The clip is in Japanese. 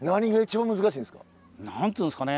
何ていうんですかね